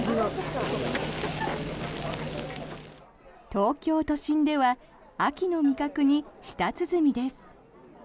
東京都心では秋の味覚に舌鼓です。